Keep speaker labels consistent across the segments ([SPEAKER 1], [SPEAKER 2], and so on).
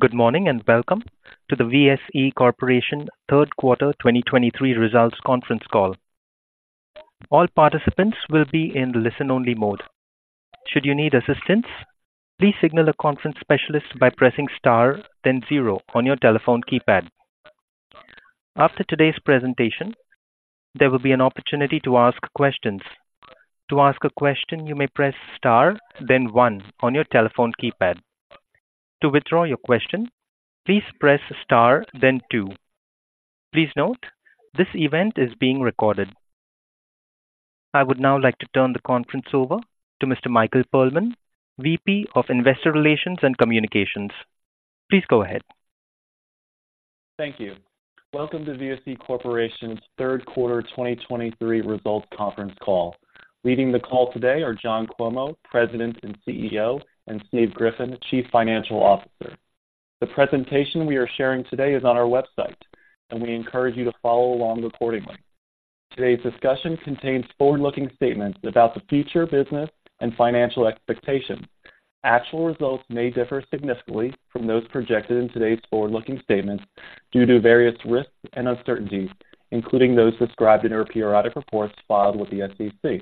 [SPEAKER 1] Good morning, and welcome to the VSE Corporation third quarter 2023 results conference call. All participants will be in listen-only mode. Should you need assistance, please signal a conference specialist by pressing Star, then zero on your telephone keypad. After today's presentation, there will be an opportunity to ask questions. To ask a question, you may press Star, then one on your telephone keypad. To withdraw your question, please press Star, then two. Please note, this event is being recorded. I would now like to turn the conference over to Mr. Michael Perlman, VP of Investor Relations and Communications. Please go ahead.
[SPEAKER 2] Thank you. Welcome to VSE Corporation's third quarter 2023 results conference call. Leading the call today are John Cuomo, President and CEO, and Steve Griffin, Chief Financial Officer. The presentation we are sharing today is on our website, and we encourage you to follow along accordingly. Today's discussion contains forward-looking statements about the future business and financial expectations. Actual results may differ significantly from those projected in today's forward-looking statements due to various risks and uncertainties, including those described in our periodic reports filed with the SEC.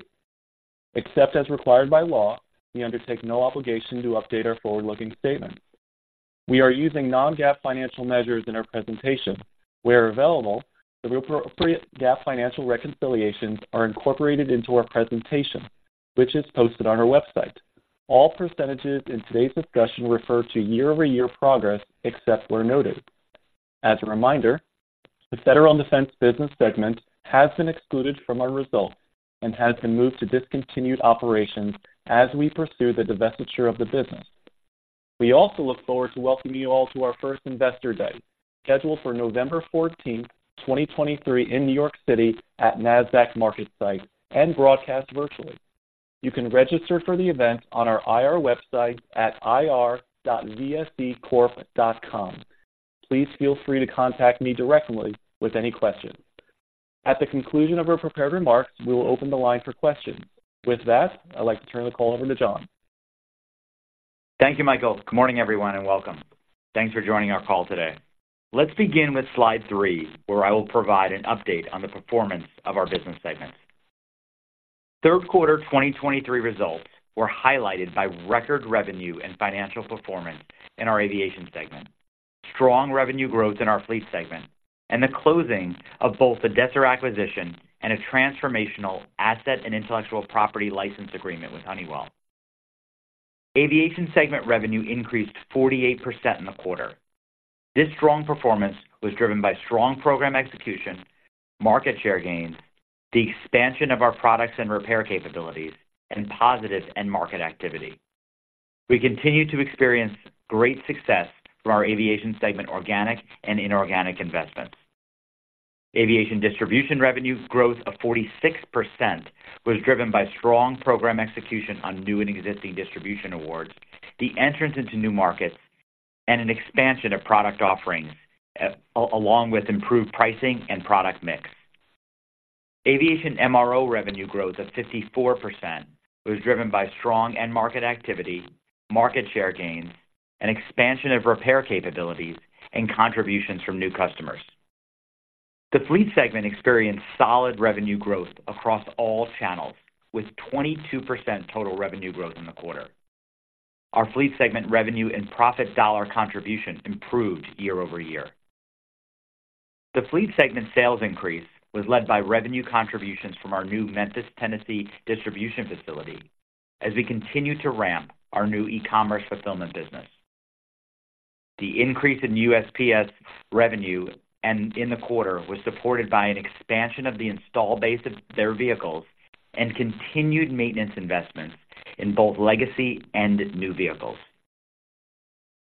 [SPEAKER 2] Except as required by law, we undertake no obligation to update our forward-looking statements. We are using non-GAAP financial measures in our presentation. Where available, the related GAAP financial reconciliations are incorporated into our presentation, which is posted on our website. All percentages in today's discussion refer to year-over-year progress, except where noted. As a reminder, the Federal Defense business segment has been excluded from our results and has been moved to discontinued operations as we pursue the divestiture of the business. We also look forward to welcoming you all to our first Investor Day, scheduled for November 14, 2023 in New York City at Nasdaq MarketSite and broadcast virtually. You can register for the event on our IR website at ir.vsecorp.com. Please feel free to contact me directly with any questions. At the conclusion of our prepared remarks, we will open the line for questions. With that, I'd like to turn the call over to John.
[SPEAKER 3] Thank you, Michael. Good morning, everyone, and welcome. Thanks for joining our call today. Let's begin with slide 3, where I will provide an update on the performance of our business segments. Third quarter 2023 results were highlighted by record revenue and financial performance in our aviation segment, strong revenue growth in our fleet segment, and the closing of both the Desser acquisition and a transformational asset and intellectual property license agreement with Honeywell. Aviation segment revenue increased 48% in the quarter. This strong performance was driven by strong program execution, market share gains, the expansion of our products and repair capabilities, and positive end market activity. We continue to experience great success from our aviation segment, organic and inorganic investments. Aviation distribution revenue growth of 46% was driven by strong program execution on new and existing distribution awards, the entrance into new markets, and an expansion of product offerings, along with improved pricing and product mix. Aviation MRO revenue growth of 54% was driven by strong end market activity, market share gains, and expansion of repair capabilities and contributions from new customers. The fleet segment experienced solid revenue growth across all channels, with 22% total revenue growth in the quarter. Our fleet segment revenue and profit dollar contribution improved year-over-year. The fleet segment sales increase was led by revenue contributions from our new Memphis, Tennessee, distribution facility as we continue to ramp our new e-commerce fulfillment business. The increase in USPS revenue and in the quarter was supported by an expansion of the install base of their vehicles and continued maintenance investments in both legacy and new vehicles.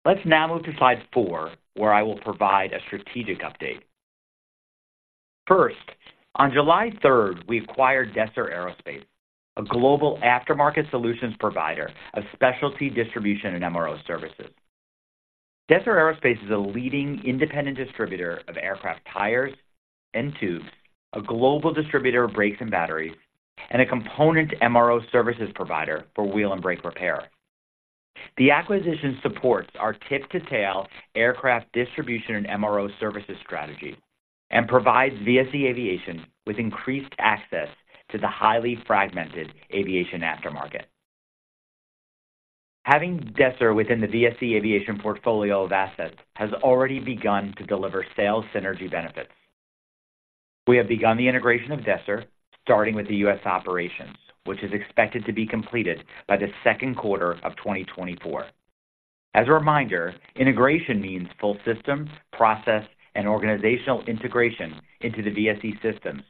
[SPEAKER 3] Let's now move to slide 4, where I will provide a strategic update. First, on July 3, we acquired Desser Aerospace, a global aftermarket solutions provider of specialty distribution and MRO services. Desser Aerospace is a leading independent distributor of aircraft tires and tubes, a global distributor of brakes and batteries, and a component MRO services provider for wheel and brake repair. The acquisition supports our Tip-to-Tail aircraft distribution and MRO services strategy and provides VSE Aviation with increased access to the highly fragmented aviation aftermarket. Having Desser within the VSE Aviation portfolio of assets has already begun to deliver sales synergy benefits. We have begun the integration of Desser, starting with the U.S. operations, which is expected to be completed by the second quarter of 2024. As a reminder, integration means full system, process, and organizational integration into the VSE systems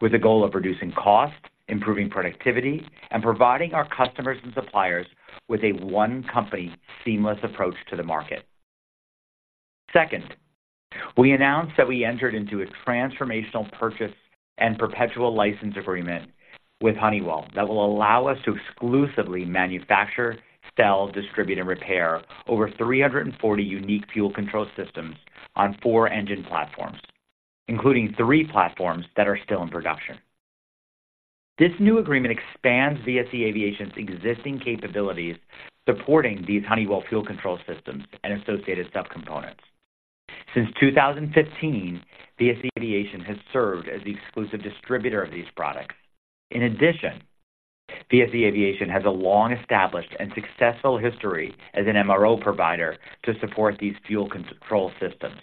[SPEAKER 3] with the goal of reducing costs, improving productivity, and providing our customers and suppliers with a one-company seamless approach to the market. Second, we announced that we entered into a transformational purchase and perpetual license agreement with Honeywell that will allow us to exclusively manufacture, sell, distribute, and repair over 340 unique fuel control systems on four engine platforms, including three platforms that are still in production. This new agreement expands VSE Aviation's existing capabilities, supporting these Honeywell fuel control systems and associated subcomponents. Since 2015, VSE Aviation has served as the exclusive distributor of these products. In addition, VSE Aviation has a long-established and successful history as an MRO provider to support these fuel control systems.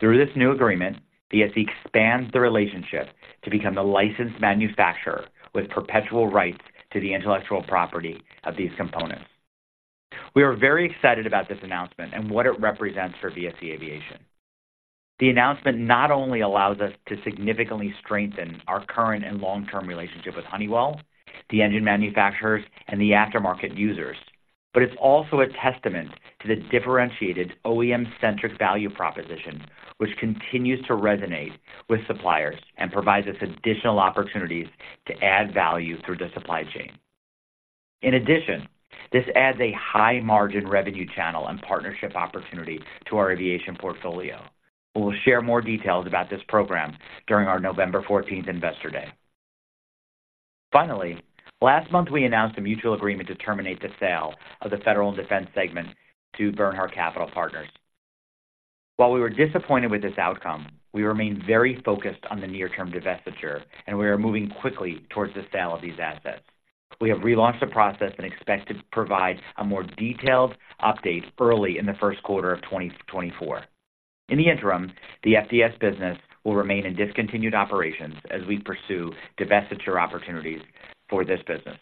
[SPEAKER 3] Through this new agreement, VSE expands the relationship to become the licensed manufacturer with perpetual rights to the intellectual property of these components. We are very excited about this announcement and what it represents for VSE Aviation. The announcement not only allows us to significantly strengthen our current and long-term relationship with Honeywell, the engine manufacturers, and the aftermarket users, but it's also a testament to the differentiated OEM-centric value proposition, which continues to resonate with suppliers and provides us additional opportunities to add value through the supply chain. In addition, this adds a high-margin revenue channel and partnership opportunity to our aviation portfolio. We will share more details about this program during our November fourteenth Investor Day. Finally, last month, we announced a mutual agreement to terminate the sale of the Federal and Defense segment to Bernhard Capital Partners. While we were disappointed with this outcome, we remain very focused on the near-term divestiture, and we are moving quickly towards the sale of these assets. We have relaunched the process and expect to provide a more detailed update early in the first quarter of 2024. In the interim, the FDS business will remain in discontinued operations as we pursue divestiture opportunities for this business.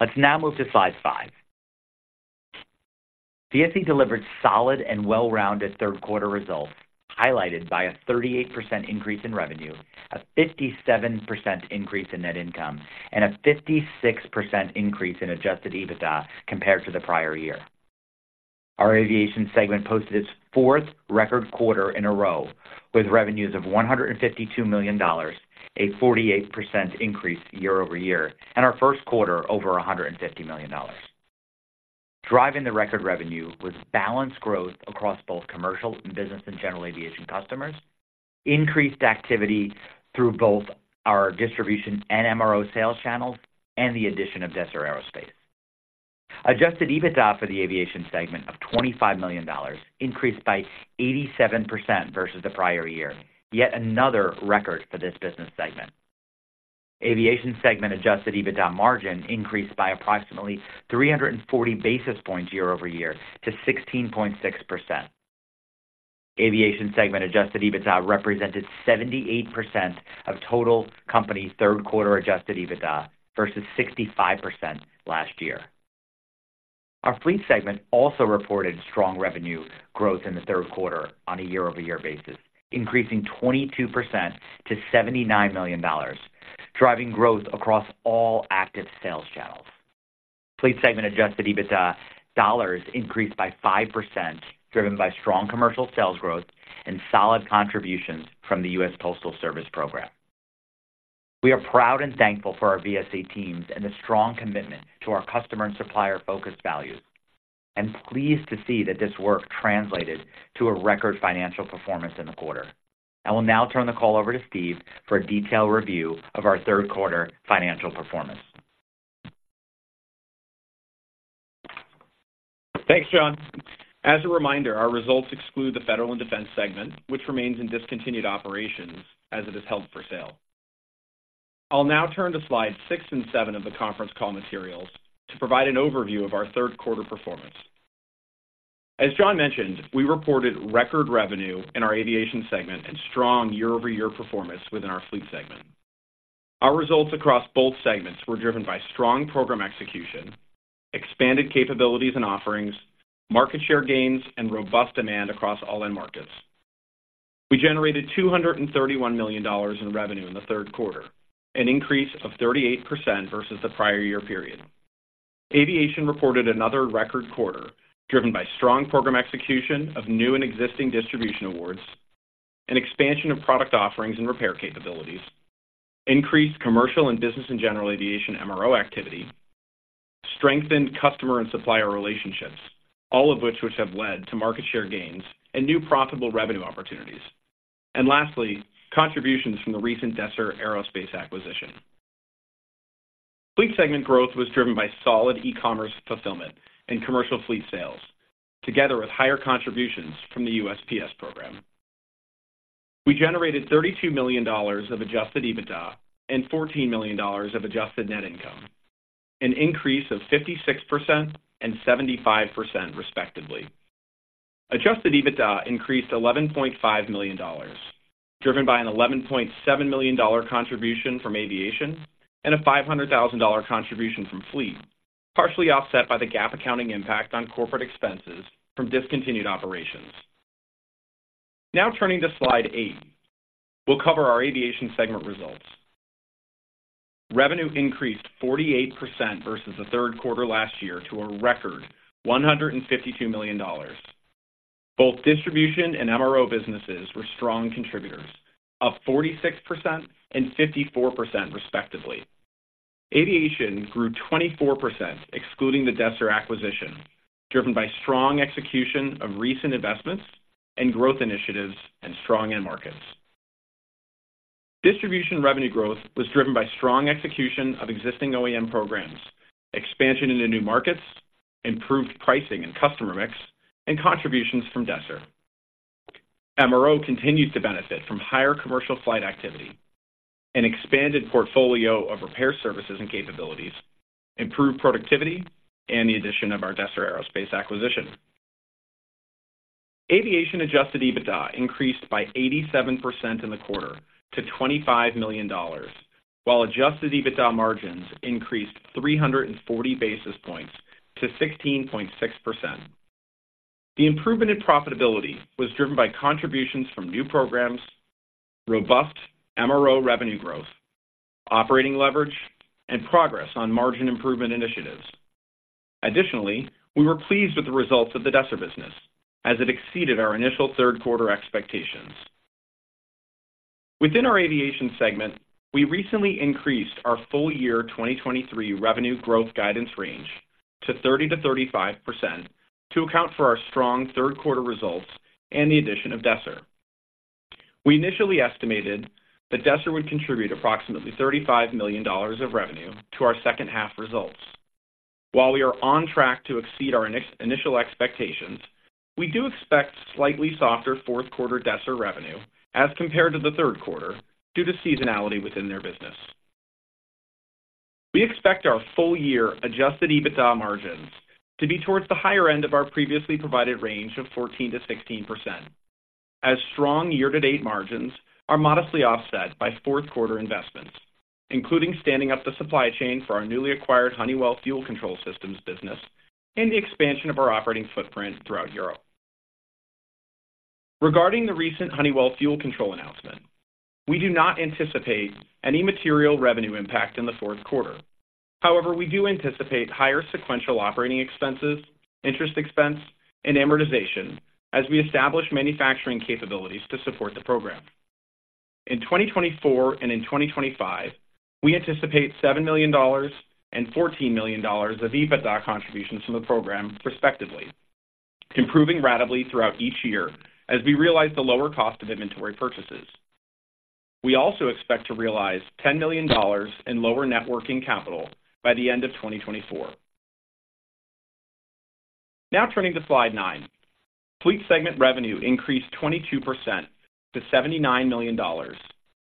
[SPEAKER 3] Let's now move to slide 5. VSE delivered solid and well-rounded third quarter results, highlighted by a 38% increase in revenue, a 57% increase in net income, and a 56% increase in adjusted EBITDA compared to the prior year. Our aviation segment posted its fourth record quarter in a row with revenues of $152 million, a 48% increase year-over-year, and our first quarter over $150 million. Driving the record revenue was balanced growth across both commercial and business and general aviation customers, increased activity through both our distribution and MRO sales channels, and the addition of Desser Aerospace. Adjusted EBITDA for the aviation segment of $25 million increased by 87% versus the prior year, yet another record for this business segment. Aviation segment adjusted EBITDA margin increased by approximately 340 basis points year-over-year to 16.6%. Aviation segment adjusted EBITDA represented 78% of total company's third quarter adjusted EBITDA, versus 65% last year. Our fleet segment also reported strong revenue growth in the third quarter on a year-over-year basis, increasing 22% to $79 million, driving growth across all active sales channels. Fleet segment adjusted EBITDA dollars increased by 5%, driven by strong commercial sales growth and solid contributions from the U.S. Postal Service program. We are proud and thankful for our VSE teams and the strong commitment to our customer and supplier-focused values, and pleased to see that this work translated to a record financial performance in the quarter. I will now turn the call over to Steve for a detailed review of our third quarter financial performance.
[SPEAKER 4] Thanks, John. As a reminder, our results exclude the Federal and Defense segment, which remains in discontinued operations as it is held for sale. I'll now turn to slides 6 and 7 of the conference call materials to provide an overview of our third quarter performance. As John mentioned, we reported record revenue in our aviation segment and strong year-over-year performance within our fleet segment. Our results across both segments were driven by strong program execution, expanded capabilities and offerings, market share gains, and robust demand across all end markets. We generated $231 million in revenue in the third quarter, an increase of 38% versus the prior year period. Aviation reported another record quarter, driven by strong program execution of new and existing distribution awards and expansion of product offerings and repair capabilities, increased commercial and business and general aviation MRO activity, strengthened customer and supplier relationships, all of which have led to market share gains and new profitable revenue opportunities. And lastly, contributions from the recent Desser Aerospace acquisition. Fleet segment growth was driven by solid e-commerce fulfillment and commercial fleet sales, together with higher contributions from the USPS program. We generated $32 million of adjusted EBITDA and $14 million of adjusted net income, an increase of 56% and 75%, respectively. Adjusted EBITDA increased $11.5 million, driven by an $11.7 million contribution from aviation and a $500,000 contribution from fleet, partially offset by the GAAP accounting impact on corporate expenses from discontinued operations. Now, turning to slide 8. We'll cover our aviation segment results. Revenue increased 48% versus the third quarter last year to a record $152 million. Both distribution and MRO businesses were strong contributors, up 46% and 54%, respectively. Aviation grew 24%, excluding the Desser acquisition, driven by strong execution of recent investments and growth initiatives and strong end markets. Distribution revenue growth was driven by strong execution of existing OEM programs, expansion into new markets, improved pricing and customer mix, and contributions from Desser. MRO continued to benefit from higher commercial flight activity, an expanded portfolio of repair services and capabilities, improved productivity, and the addition of our Desser Aerospace acquisition. Aviation Adjusted EBITDA increased by 87% in the quarter to $25 million, while Adjusted EBITDA margins increased 340 basis points to 16.6%. The improvement in profitability was driven by contributions from new programs, robust MRO revenue growth, operating leverage, and progress on margin improvement initiatives. Additionally, we were pleased with the results of the Desser business as it exceeded our initial third quarter expectations. Within our aviation segment, we recently increased our full-year 2023 revenue growth guidance range to 30%-35% to account for our strong third quarter results and the addition of Desser. We initially estimated that Desser would contribute approximately $35 million of revenue to our second half results. While we are on track to exceed our initial expectations, we do expect slightly softer fourth quarter Desser revenue as compared to the third quarter, due to seasonality within their business. We expect our full-year Adjusted EBITDA margins to be towards the higher end of our previously provided range of 14%-16%, as strong year-to-date margins are modestly offset by fourth quarter investments, including standing up the supply chain for our newly acquired Honeywell Fuel Control Systems business and the expansion of our operating footprint throughout Europe. Regarding the recent Honeywell Fuel Control announcement, we do not anticipate any material revenue impact in the fourth quarter. However, we do anticipate higher sequential operating expenses, interest expense, and amortization as we establish manufacturing capabilities to support the program. In 2024 and in 2025, we anticipate $7 million and $14 million of EBITDA contributions from the program, respectively, improving ratably throughout each year as we realize the lower cost of inventory purchases. We also expect to realize $10 million in lower net working capital by the end of 2024. Now turning to Slide 9. Fleet segment revenue increased 22% to $79 million,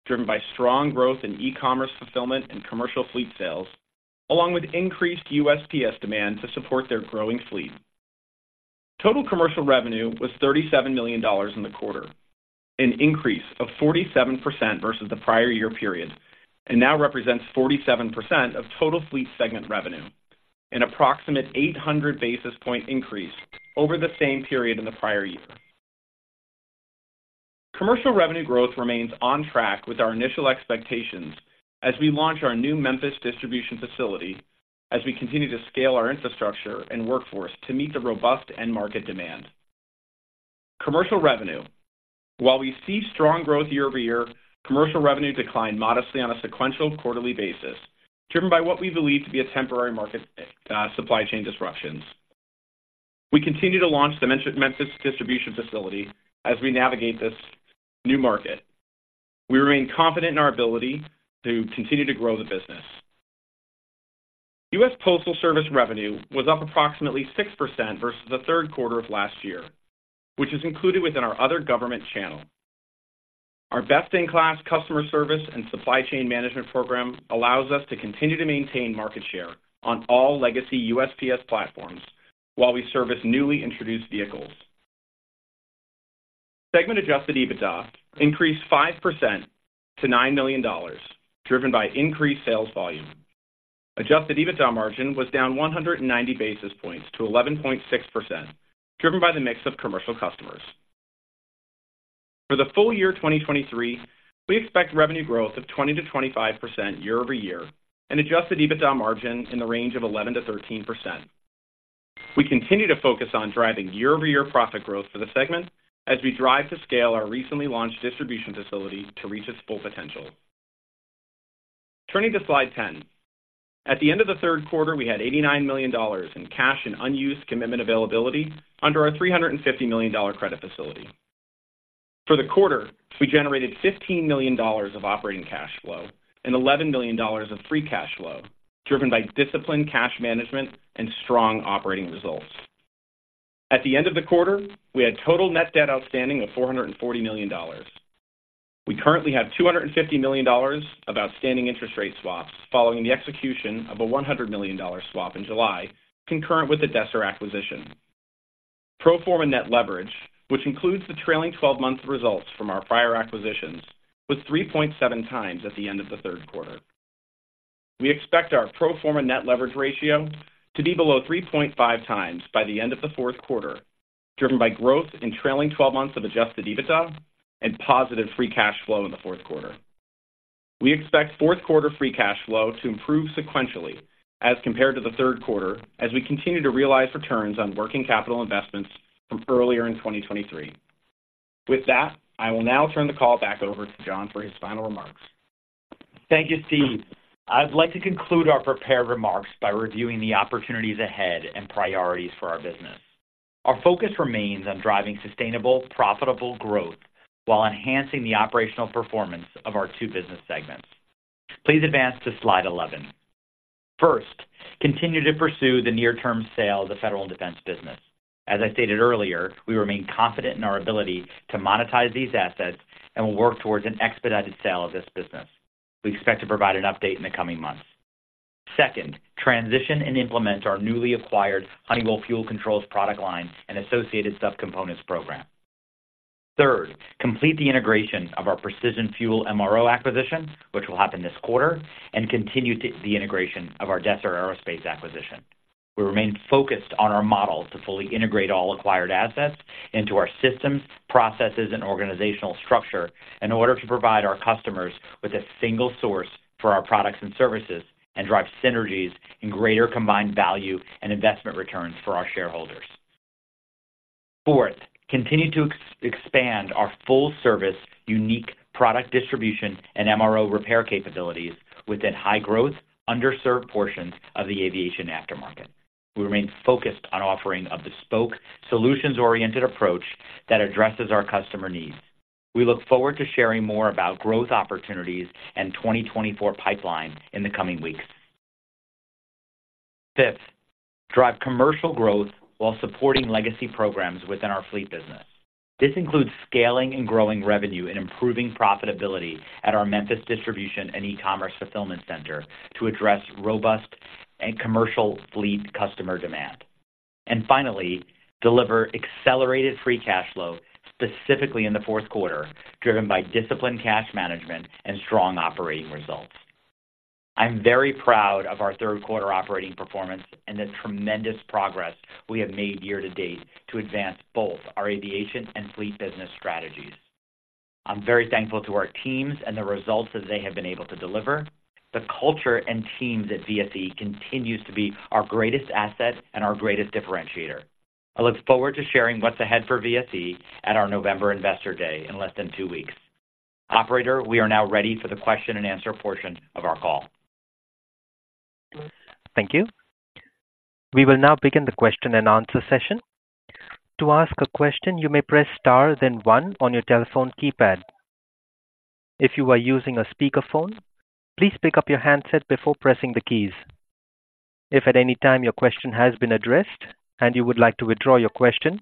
[SPEAKER 4] driven by strong growth in e-commerce fulfillment and commercial fleet sales, along with increased USPS demand to support their growing fleet. Total commercial revenue was $37 million in the quarter, an increase of 47% versus the prior year period, and now represents 47% of total fleet segment revenue, an approximate 800 basis points increase over the same period in the prior year. Commercial revenue growth remains on track with our initial expectations as we launch our new Memphis distribution facility, as we continue to scale our infrastructure and workforce to meet the robust end market demand. Commercial revenue. While we see strong growth year over year, commercial revenue declined modestly on a sequential quarterly basis, driven by what we believe to be a temporary market supply chain disruptions. We continue to launch the Memphis distribution facility as we navigate this new market. We remain confident in our ability to continue to grow the business. U.S. Postal Service revenue was up approximately 6% versus the third quarter of last year, which is included within our other government channel. Our best-in-class customer service and supply chain management program allows us to continue to maintain market share on all legacy USPS platforms while we service newly introduced vehicles. Segment Adjusted EBITDA increased 5% to $9 million, driven by increased sales volume. Adjusted EBITDA margin was down 190 basis points to 11.6%, driven by the mix of commercial customers. For the full year 2023, we expect revenue growth of 20%-25% year-over-year, and adjusted EBITDA margin in the range of 11%-13%. We continue to focus on driving year-over-year profit growth for the segment as we drive to scale our recently launched distribution facility to reach its full potential. Turning to Slide 10. At the end of the third quarter, we had $89 million in cash and unused commitment availability under our $350 million credit facility. For the quarter, we generated $15 million of operating cash flow and $11 million of free cash flow, driven by disciplined cash management and strong operating results. At the end of the quarter, we had total net debt outstanding of $440 million. We currently have $250 million of outstanding interest rate swaps, following the execution of a $100 million swap in July, concurrent with the Desser acquisition. Pro forma net leverage, which includes the trailing twelve-month results from our prior acquisitions, was 3.7 times at the end of the third quarter. We expect our pro forma net leverage ratio to be below 3.5 times by the end of the fourth quarter, driven by growth in trailing twelve months of Adjusted EBITDA and positive Free Cash Flow in the fourth quarter. We expect fourth quarter Free Cash Flow to improve sequentially as compared to the third quarter, as we continue to realize returns on working capital investments from earlier in 2023. With that, I will now turn the call back over to John for his final remarks.
[SPEAKER 3] Thank you, Steve. I'd like to conclude our prepared remarks by reviewing the opportunities ahead and priorities for our business. Our focus remains on driving sustainable, profitable growth while enhancing the operational performance of our two business segments. Please advance to Slide 11. First, continue to pursue the near-term sale of the federal and defense business. As I stated earlier, we remain confident in our ability to monetize these assets and will work towards an expedited sale of this business. We expect to provide an update in the coming months. Second, transition and implement our newly acquired Honeywell Fuel Controls product line and associated subcomponents program. Third, complete the integration of our Precision Fuel MRO acquisition, which will happen this quarter, and continue to the integration of our Desser Aerospace acquisition. We remain focused on our model to fully integrate all acquired assets into our systems, processes, and organizational structure in order to provide our customers with a single source for our products and services and drive synergies in greater combined value and investment returns for our shareholders. Fourth, continue to expand our full service, unique product distribution and MRO repair capabilities within high growth, underserved portions of the aviation aftermarket. We remain focused on offering a bespoke, solutions-oriented approach that addresses our customer needs. We look forward to sharing more about growth opportunities and 2024 pipeline in the coming weeks. Fifth, drive commercial growth while supporting legacy programs within our fleet business. This includes scaling and growing revenue and improving profitability at our Memphis distribution and e-commerce fulfillment center to address robust and commercial fleet customer demand. Finally, deliver accelerated free cash flow, specifically in the fourth quarter, driven by disciplined cash management and strong operating results. I'm very proud of our third quarter operating performance and the tremendous progress we have made year to date to advance both our aviation and fleet business strategies. I'm very thankful to our teams and the results that they have been able to deliver. The culture and teams at VSE continues to be our greatest asset and our greatest differentiator. I look forward to sharing what's ahead for VSE at our November Investor Day in less than two weeks. Operator, we are now ready for the question and answer portion of our call.
[SPEAKER 1] Thank you. We will now begin the question and answer session. To ask a question, you may press Star, then one on your telephone keypad. If you are using a speakerphone, please pick up your handset before pressing the keys. If at any time your question has been addressed and you would like to withdraw your question,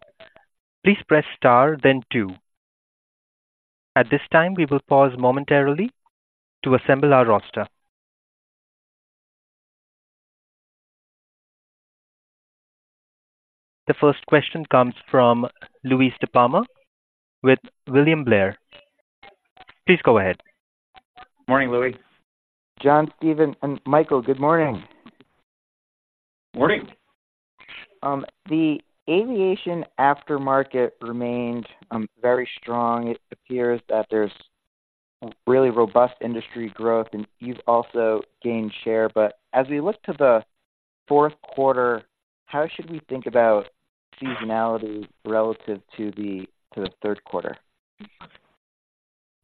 [SPEAKER 1] please press Star then two. At this time, we will pause momentarily to assemble our roster. The first question comes from Louis DiPalma with William Blair. Please go ahead.
[SPEAKER 3] Morning, Louis.
[SPEAKER 5] John, Steve, and Michael, good morning.
[SPEAKER 4] Morning!
[SPEAKER 5] The aviation aftermarket remained very strong. It appears that there's really robust industry growth, and you've also gained share. But as we look to the fourth quarter, how should we think about seasonality relative to the third quarter?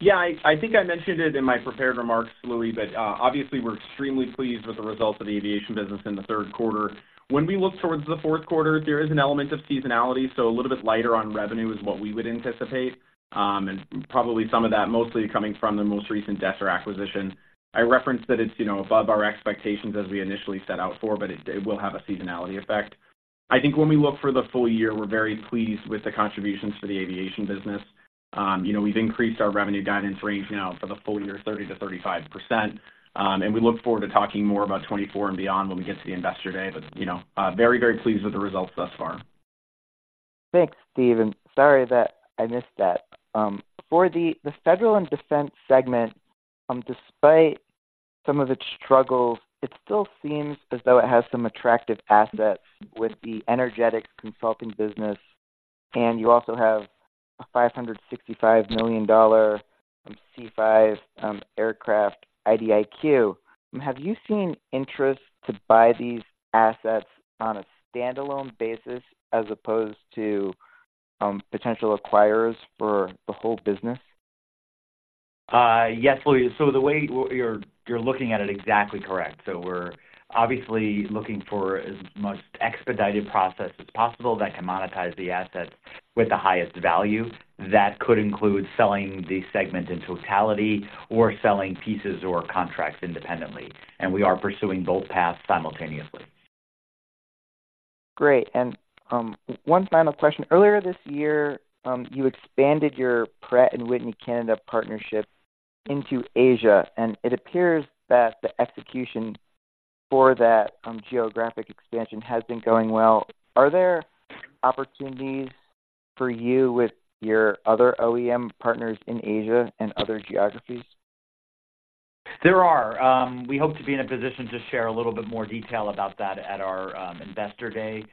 [SPEAKER 4] Yeah, I think I mentioned it in my prepared remarks, Louis, but obviously we're extremely pleased with the results of the aviation business in the third quarter. When we look towards the fourth quarter, there is an element of seasonality, so a little bit lighter on revenue is what we would anticipate, and probably some of that mostly coming from the most recent Desser acquisition. I referenced that it's, you know, above our expectations as we initially set out for, but it will have a seasonality effect. I think when we look for the full year, we're very pleased with the contributions to the aviation business. You know, we've increased our revenue guidance range now for the full year, 30%-35%. And we look forward to talking more about 2024 and beyond when we get to the Investor Day. You know, very, very pleased with the results thus far.
[SPEAKER 5] Thanks, Steve, and sorry that I missed that. For the Federal and Defense segment, despite some of its struggles, it still seems as though it has some attractive assets with the Energetics consulting business, and you also have a $565 million C-5 aircraft IDIQ. Have you seen interest to buy these assets on a standalone basis as opposed to potential acquirers for the whole business?
[SPEAKER 3] Yes, Louis. So the way you're looking at it exactly correct. So we're obviously looking for as expedited process as possible that can monetize the assets with the highest value. That could include selling the segment in totality or selling pieces or contracts independently, and we are pursuing both paths simultaneously.
[SPEAKER 5] Great. And, one final question. Earlier this year, you expanded your Pratt & Whitney Canada partnership into Asia, and it appears that the execution for that geographic expansion has been going well. Are there opportunities for you with your other OEM partners in Asia and other geographies?
[SPEAKER 3] There are. We hope to be in a position to share a little bit more detail about that at our Investor Day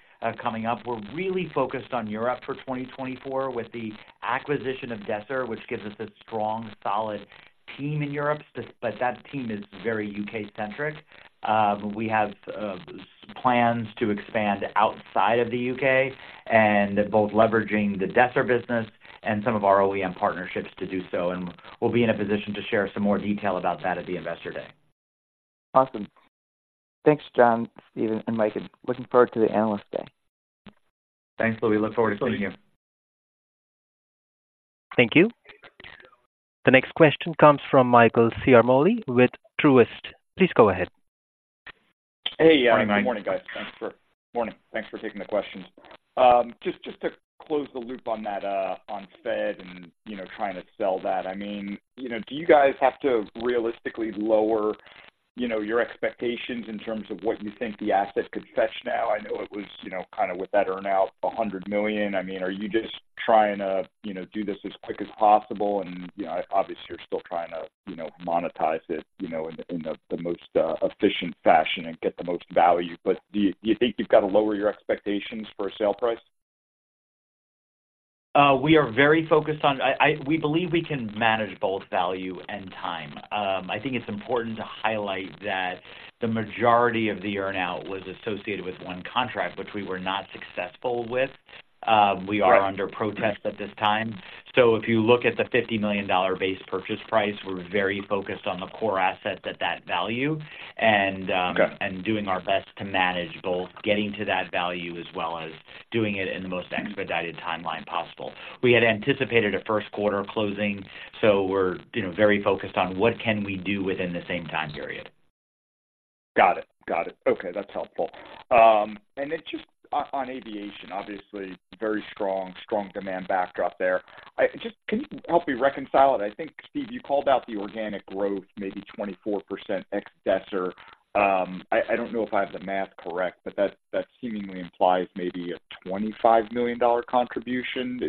[SPEAKER 3] coming up. We're really focused on Europe for 2024 with the acquisition of Desser, which gives us a strong team in Europe, but that team is very U.K.-centric. We have plans to expand outside of the U.K., and both leveraging the Desser business and some of our OEM partnerships to do so. And we'll be in a position to share some more detail about that at the Investor Day.
[SPEAKER 5] Awesome. Thanks, John, Steve, and Mike. Looking forward to the Analyst Day.
[SPEAKER 3] Thanks, Louis. Look forward to seeing you.
[SPEAKER 1] Thank you. The next question comes from Michael Ciarmoli with Truist. Please go ahead.
[SPEAKER 6] Hey, yeah, good morning, guys. Thanks for taking the questions. Just, just to close the loop on that, on Fed and, you know, trying to sell that, I mean, you know, do you guys have to realistically lower, you know, your expectations in terms of what you think the asset could fetch now? I know it was, you know, kind of with that earn-out, $100 million. I mean, are you just trying to, you know, do this as quick as possible? And, you know, obviously, you're still trying to, you know, monetize it, you know, in the, in the most, efficient fashion and get the most value. But do you, do you think you've got to lower your expectations for a sale price?
[SPEAKER 3] We are very focused on... we believe we can manage both value and time. I think it's important to highlight that the majority of the earn-out was associated with one contract, which we were not successful with. We are-
[SPEAKER 6] Right.
[SPEAKER 3] -under protest at this time. So if you look at the $50 million base purchase price, we're very focused on the core asset at that value, and
[SPEAKER 6] Okay...
[SPEAKER 3] and doing our best to manage both, getting to that value as well as doing it in the most expedited timeline possible. We had anticipated a first quarter closing, so we're, you know, very focused on what can we do within the same time period.
[SPEAKER 6] Got it. Got it. Okay, that's helpful. And then just on aviation, obviously very strong, strong demand backdrop there. Just can you help me reconcile it? I think, Steve, you called out the organic growth, maybe 24% ex Desser. I don't know if I have the math correct, but that seemingly implies maybe a $25 million contribution.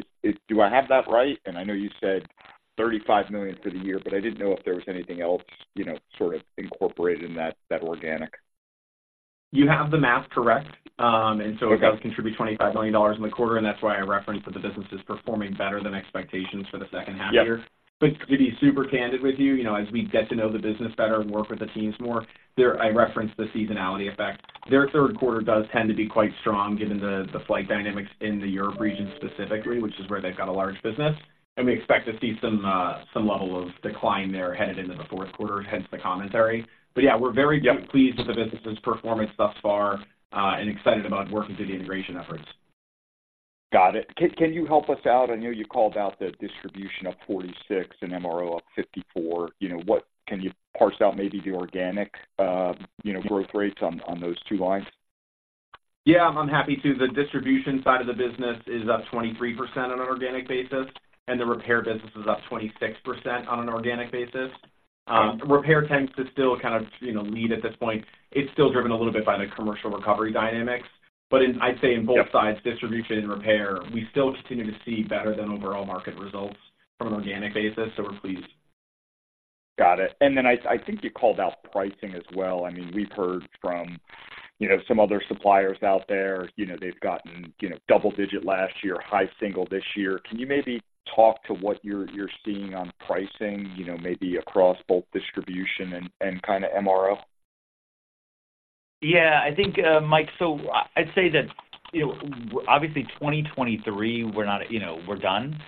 [SPEAKER 6] Do I have that right? And I know you said $35 million for the year, but I didn't know if there was anything else, you know, sort of incorporated in that organic.
[SPEAKER 4] You have the math correct. And so-
[SPEAKER 6] Okay.
[SPEAKER 4] It does contribute $25 million in the quarter, and that's why I referenced that the business is performing better than expectations for the second half year.
[SPEAKER 6] Yeah.
[SPEAKER 4] But to be super candid with you, you know, as we get to know the business better and work with the teams more, their... I referenced the seasonality effect. Their third quarter does tend to be quite strong, given the flight dynamics in the Europe region specifically, which is where they've got a large business. And we expect to see some level of decline there headed into the fourth quarter, hence the commentary. But yeah, we're very-
[SPEAKER 6] Yeah
[SPEAKER 4] -Pleased with the business's performance thus far, and excited about working through the integration efforts.
[SPEAKER 6] Got it. Can you help us out? I know you called out the distribution of 46 and MRO of 54. You know, can you parse out maybe the organic, you know, growth rates on those two lines?
[SPEAKER 4] Yeah, I'm happy to. The distribution side of the business is up 23% on an organic basis, and the repair business is up 26% on an organic basis.
[SPEAKER 6] Okay.
[SPEAKER 4] Repair tends to still kind of, you know, lead at this point. It's still driven a little bit by the commercial recovery dynamics. But in, I'd say-
[SPEAKER 6] Yeah...
[SPEAKER 4] In both sides, distribution and repair, we still continue to see better than overall market results from an organic basis, so we're pleased.
[SPEAKER 6] Got it. And then I think you called out pricing as well. I mean, we've heard from, you know, some other suppliers out there, you know, they've gotten, you know, double digit last year, high single this year. Can you maybe talk to what you're seeing on pricing, you know, maybe across both distribution and kind of MRO?
[SPEAKER 3] Yeah, I think, Mike, so I'd say that, you know, obviously 2023, we're not, you know, we're done.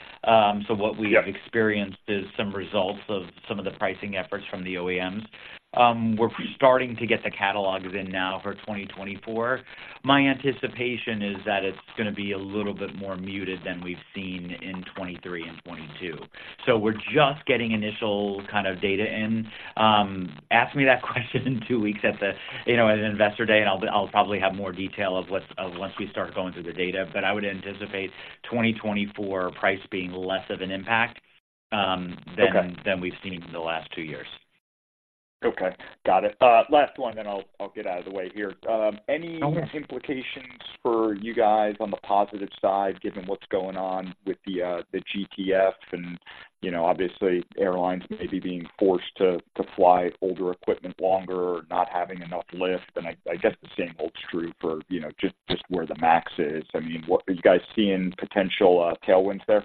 [SPEAKER 3] So what we've-
[SPEAKER 6] Yeah...
[SPEAKER 3] Experienced is some results of some of the pricing efforts from the OEMs. We're starting to get the catalogs in now for 2024. My anticipation is that it's going to be a little bit more muted than we've seen in 2023 and 2022. So we're just getting initial kind of data in. Ask me that question in two weeks at the, you know, at Investor Day, and I'll, I'll probably have more detail of what's-- once we start going through the data. But I would anticipate 2024 price being less of an impact,
[SPEAKER 6] Okay...
[SPEAKER 3] Than we've seen in the last two years.
[SPEAKER 6] Okay, got it. Last one, then I'll, I'll get out of the way here. Any-
[SPEAKER 3] No...
[SPEAKER 6] Implications for you guys on the positive side, given what's going on with the GTF and, you know, obviously airlines maybe being forced to fly older equipment longer or not having enough lift? And I guess the same holds true for, you know, just where the max is. I mean, what are you guys seeing potential tailwinds there?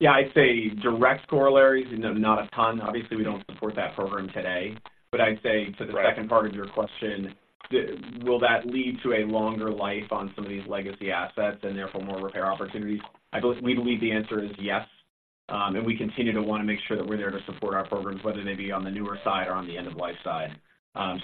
[SPEAKER 4] Yeah, I'd say direct corollaries, you know, not a ton. Obviously, we don't support that program today, but I'd say-
[SPEAKER 6] Right...
[SPEAKER 4] To the second part of your question, the will that lead to a longer life on some of these legacy assets and therefore more repair opportunities? I believe, we believe the answer is yes, and we continue to want to make sure that we're there to support our programs, whether they be on the newer side or on the end-of-life side.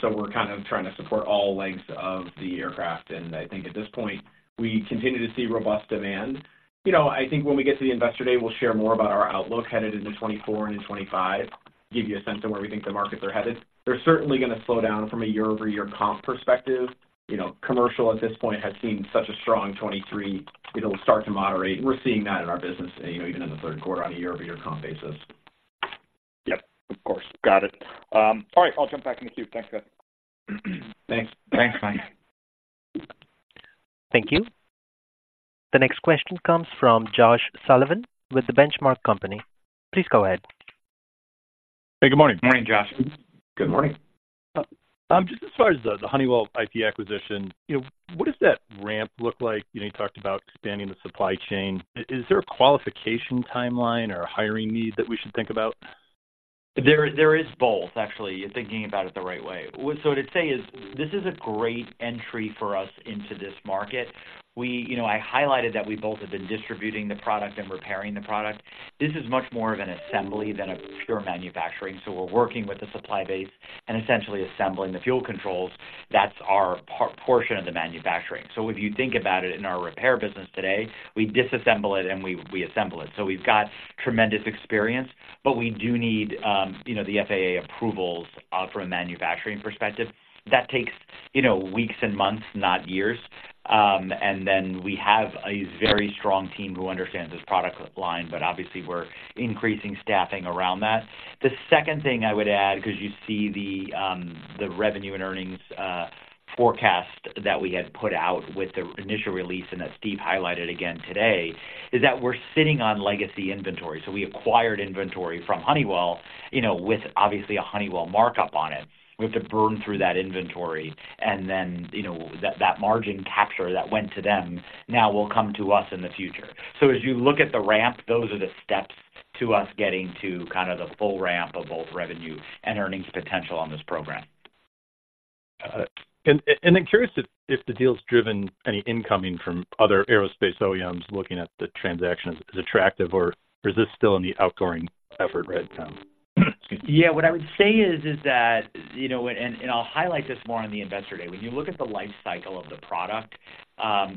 [SPEAKER 4] So we're kind of trying to support all lengths of the aircraft, and I think at this point, we continue to see robust demand. You know, I think when we get to the Investor Day, we'll share more about our outlook headed into 2024 and in 2025, give you a sense of where we think the markets are headed. They're certainly going to slow down from a year-over-year comp perspective. You know, commercial at this point has seen such a strong 2023, it'll start to moderate. We're seeing that in our business, you know, even in the third quarter, on a year-over-year comp basis.
[SPEAKER 6] Yep, of course. Got it. All right, I'll jump back in the queue. Thanks, guys.
[SPEAKER 3] Thanks. Thanks, Mike.
[SPEAKER 1] Thank you. The next question comes from Josh Sullivan with The Benchmark Company. Please go ahead.
[SPEAKER 7] Hey, good morning.
[SPEAKER 3] Good morning, Josh. Good morning.
[SPEAKER 7] Just as far as the Honeywell IP acquisition, you know, what does that ramp look like? You know, you talked about expanding the supply chain. Is there a qualification timeline or hiring needs that we should think about?
[SPEAKER 3] There is both. Actually, you're thinking about it the right way. So what I'd say is this is a great entry for us into this market. You know, I highlighted that we both have been distributing the product and repairing the product. This is much more of an assembly than a pure manufacturing. So we're working with the supply base and essentially assembling the fuel controls. That's our portion of the manufacturing. So if you think about it, in our repair business today, we disassemble it, and we assemble it. So we've got tremendous experience, but we do need, you know, the FAA approvals from a manufacturing perspective. That takes, you know, weeks and months, not years. And then we have a very strong team who understands this product line, but obviously, we're increasing staffing around that. The second thing I would add, 'cause you see the, the revenue and earnings forecast that we had put out with the initial release, and that Steve highlighted again today, is that we're sitting on legacy inventory. So we acquired inventory from Honeywell, you know, with obviously a Honeywell markup on it. We have to burn through that inventory, and then, you know, that, that margin capture that went to them now will come to us in the future. So as you look at the ramp, those are the steps to us getting to kind of the full ramp of both revenue and earnings potential on this program.
[SPEAKER 7] I'm curious if the deal's driven any incoming from other aerospace OEMs looking at the transaction as attractive, or is this still in the outgoing effort right now?
[SPEAKER 3] Yeah. What I would say is, is that, you know, and, and I'll highlight this more on the Investor Day. When you look at the life cycle of the product,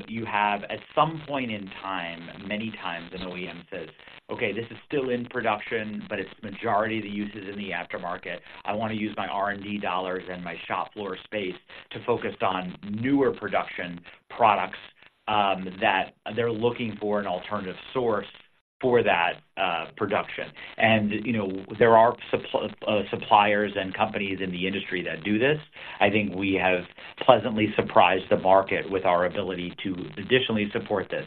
[SPEAKER 3] you have, at some point in time, many times an OEM says, "Okay, this is still in production, but it's majority of the use is in the aftermarket. I want to use my R&D dollars and my shop floor space to focus on newer production products," that they're looking for an alternative source for that production. And, you know, there are suppliers and companies in the industry that do this. I think we have pleasantly surprised the market with our ability to additionally support this.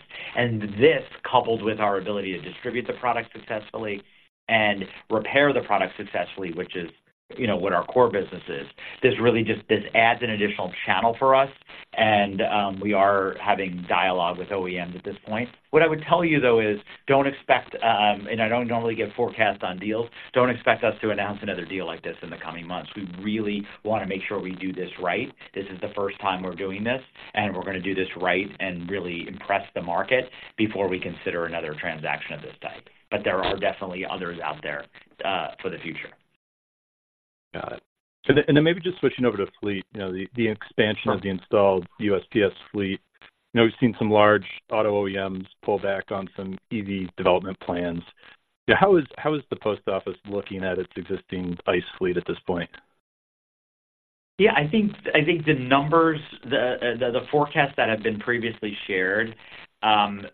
[SPEAKER 3] This, coupled with our ability to distribute the product successfully and repair the product successfully, which is, you know, what our core business is, this really just adds an additional channel for us, and we are having dialogue with OEMs at this point. What I would tell you, though, is don't expect. And I don't normally give forecasts on deals. Don't expect us to announce another deal like this in the coming months. We really want to make sure we do this right. This is the first time we're doing this, and we're gonna do this right and really impress the market before we consider another transaction of this type. But there are definitely others out there for the future.
[SPEAKER 7] Got it. And then maybe just switching over to fleet, you know, the expansion of the installed USPS fleet. I know we've seen some large auto OEMs pull back on some EV development plans. How is the post office looking at its existing ICE fleet at this point?
[SPEAKER 3] Yeah, I think the numbers, the forecast that have been previously shared,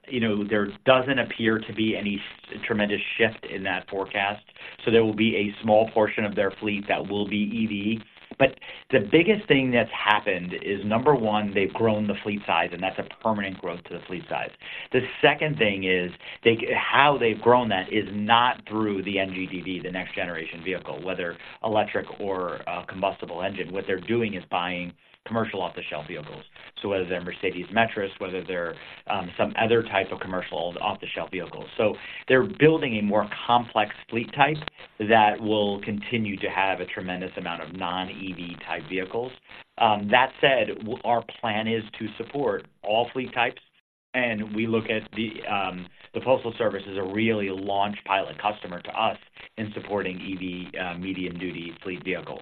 [SPEAKER 3] you know, there doesn't appear to be any tremendous shift in that forecast. So there will be a small portion of their fleet that will be EV. But the biggest thing that's happened is, number one, they've grown the fleet size, and that's a permanent growth to the fleet size. The second thing is, how they've grown that is not through the NGDV, the next generation vehicle, whether electric or combustible engine. What they're doing is buying commercial off-the-shelf vehicles. So whether they're Mercedes Metris, whether they're some other type of commercial off-the-shelf vehicles. So they're building a more complex fleet type that will continue to have a tremendous amount of non-EV type vehicles. That said, our plan is to support all fleet types, and we look at the Postal Service as a really launch pilot customer to us in supporting EV, medium-duty fleet vehicles.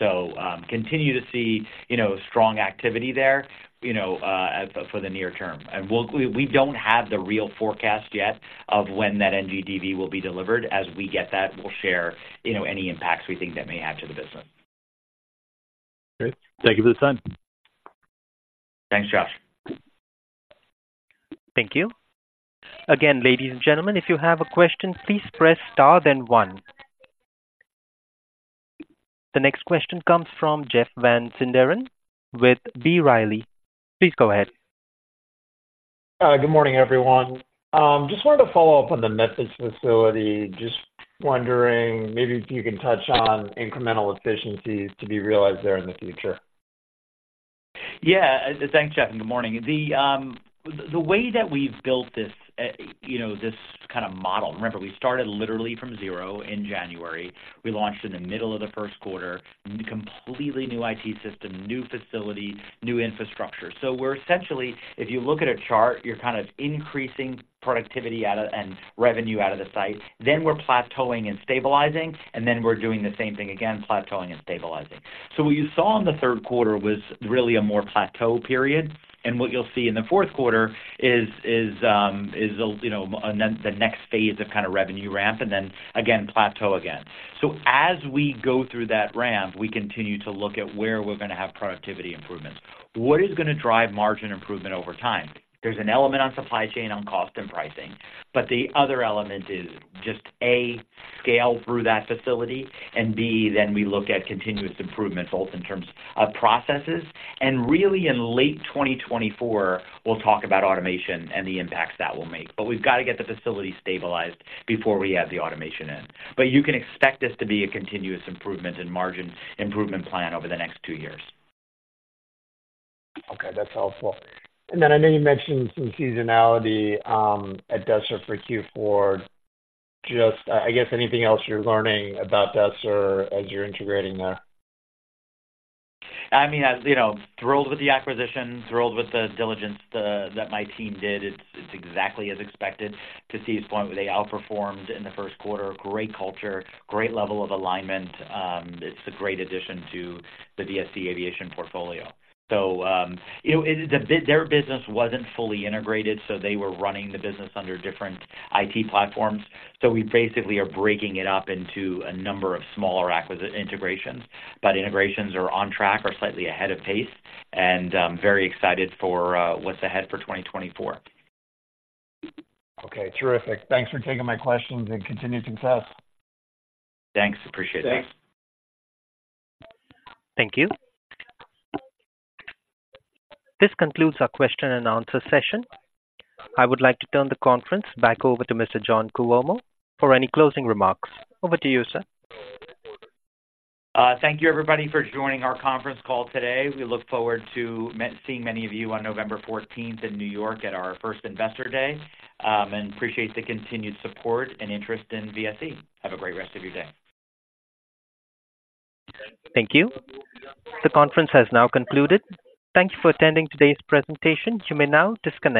[SPEAKER 3] So, continue to see, you know, strong activity there, you know, for the near term. And we'll, we don't have the real forecast yet of when the next-generation vehicles will be delivered. As we get that, we'll share, you know, any impacts we think that may have to the business.
[SPEAKER 7] Great. Thank you for the time.
[SPEAKER 3] Thanks, Josh.
[SPEAKER 1] Thank you. Again, ladies and gentlemen, if you have a question, please press star then one. The next question comes from Jeff Van Sinderen with B. Riley. Please go ahead.
[SPEAKER 8] Good morning, everyone. Just wanted to follow up on the Metris facility. Just wondering, maybe if you can touch on incremental efficiencies to be realized there in the future.
[SPEAKER 3] Yeah. Thanks, Jeff, and good morning. The way that we've built this, you know, this kind of model. Remember, we started literally from zero in January. We launched in the middle of the first quarter, completely new IT system, new facility, new infrastructure. So we're essentially, if you look at a chart, you're kind of increasing productivity and revenue out of the site. Then we're plateauing and stabilizing, and then we're doing the same thing again, plateauing and stabilizing. So what you saw in the third quarter was really a more plateau period, and what you'll see in the fourth quarter is, you know, the next phase of kind of revenue ramp, and then again, plateau again. So as we go through that ramp, we continue to look at where we're gonna have productivity improvements. What is gonna drive margin improvement over time? There's an element on supply chain, on cost and pricing, but the other element is just, A, scale through that facility, and B, then we look at continuous improvement both in terms of processes. And really, in late 2024, we'll talk about automation and the impacts that will make. But we've got to get the facility stabilized before we add the automation in. But you can expect this to be a continuous improvement in margin improvement plan over the next two years.
[SPEAKER 8] Okay, that's helpful. And then I know you mentioned some seasonality at Desser for Q4. Just, I guess anything else you're learning about Desser as you're integrating there?
[SPEAKER 3] I mean, as you know, thrilled with the acquisition, thrilled with the diligence that my team did. It's, it's exactly as expected. To Steve's point, where they outperformed in the first quarter. Great culture, great level of alignment. It's a great addition to the VSE Aviation portfolio. So, you know, their business wasn't fully integrated, so they were running the business under different IT platforms. So we basically are breaking it up into a number of smaller integrations. But integrations are on track, are slightly ahead of pace, and very excited for what's ahead for 2024.
[SPEAKER 8] Okay, terrific. Thanks for taking my questions and continued success.
[SPEAKER 3] Thanks. Appreciate that.
[SPEAKER 8] Thanks.
[SPEAKER 1] Thank you. This concludes our question and answer session. I would like to turn the conference back over to Mr. John Cuomo for any closing remarks. Over to you, sir.
[SPEAKER 3] Thank you, everybody, for joining our conference call today. We look forward to seeing many of you on November fourteenth in New York at our first Investor Day, and appreciate the continued support and interest in VSE. Have a great rest of your day.
[SPEAKER 1] Thank you. The conference has now concluded. Thank you for attending today's presentation. You may now disconnect.